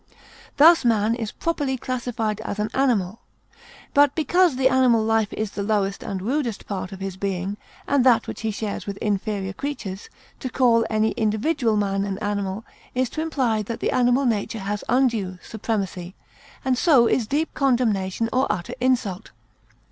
Thus man is properly classified as an animal. But because the animal life is the lowest and rudest part of his being and that which he shares with inferior creatures, to call any individual man an animal is to imply that the animal nature has undue supremacy, and so is deep condemnation or utter insult.